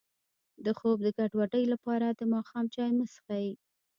د خوب د ګډوډۍ لپاره د ماښام چای مه څښئ